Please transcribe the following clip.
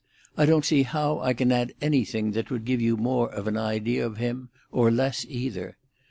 I do not see how I can add anything that would give you more of an idea of him, or less, either.